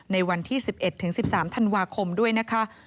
ในวันที่๑๑ถึง๑๓ธันวาคมด้วยนะคะ